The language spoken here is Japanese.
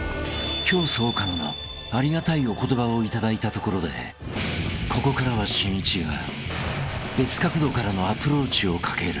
［教祖岡野の有り難いお言葉を頂いたところでここからはしんいちが別角度からのアプローチをかける］